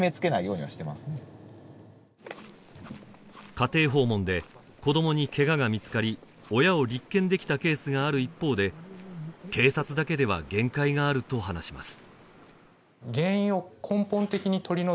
家庭訪問で子供にケガが見つかり親を立件できたケースがある一方で警察だけでは限界があると話します